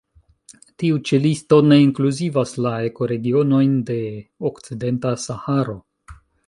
Tiu ĉi listo ne inkluzivas la ekoregionojn de Okcidenta Saharo.